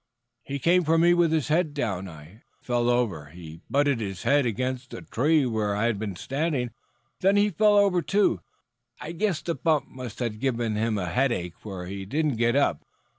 "He came for me with his head down. I fell over. He butted his head against the tree where I had been standing. Then he fell over, too. I guess the bump must have given him a headache for he didn't get up.